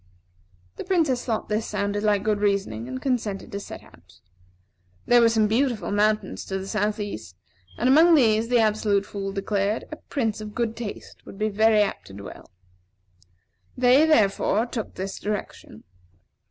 The Princess thought this sounded like good reasoning, and consented to set out. There were some beautiful mountains to the south east; and among these, the Absolute Fool declared, a prince of good taste would be very apt to dwell. They, therefore, took this direction.